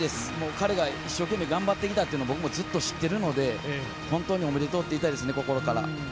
彼が一生懸命頑張ってきたのを僕も知っているので、本当におめでとうと言いたいですね、心から。